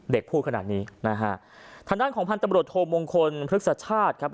พูดขนาดนี้นะฮะทางด้านของพันธบรวจโทมงคลพฤกษชาติครับ